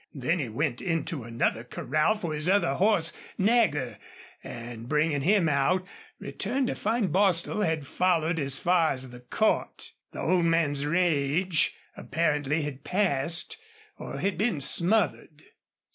Then he went into another corral for his other horse, Nagger, and, bringing him out, returned to find Bostil had followed as far as the court. The old man's rage apparently had passed or had been smothered.